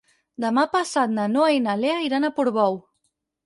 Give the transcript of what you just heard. Demà passat na Noa i na Lea iran a Portbou.